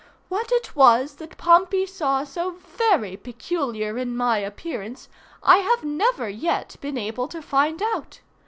What it was that Pompey saw so very peculiar in my appearance I have never yet been able to find out.